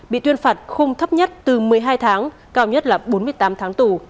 bị tuyên phạt khung thấp nhất từ một mươi hai tháng cao nhất là bốn mươi tám tháng tù